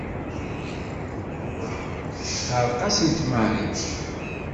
Teɛreq-asent Mary.